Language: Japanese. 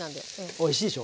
おいしいでしょ。